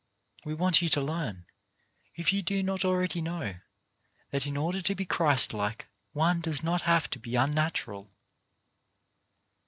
We want you to learn, if you do not already know, that in order to be Christlike one does not have to be unnatural.